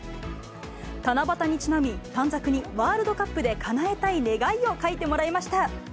七夕にちなみ、短冊にワールドカップでかなえたい願いを書いてもらいました。